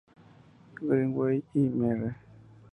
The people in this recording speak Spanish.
Greenway y Mr.